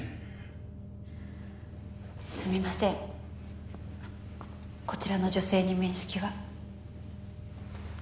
すみませんこちらの女性に面識は？